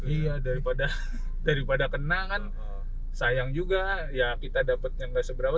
iya daripada kena kan sayang juga ya kita dapat yang nggak seberapa